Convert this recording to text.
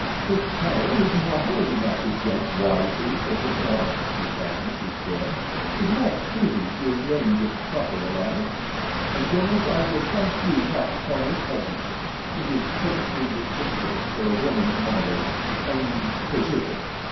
"The child is not old enough to judge wisely for herself," replied Mrs. Prim. "It was my duty to arrange a proper alliance; and, Jonas, I will thank you not to call me Pudgy it is perfectly ridiculous for a woman of my age and position."